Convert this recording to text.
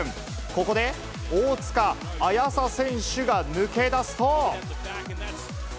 ここで大塚朱紗選手が抜け出すと。